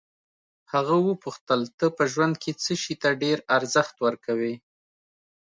هغه وپوښتل ته په ژوند کې څه شي ته ډېر ارزښت ورکوې.